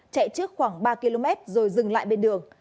chạy trước khoảng ba km rồi dừng lại bên đường